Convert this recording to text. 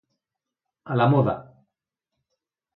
A la moda.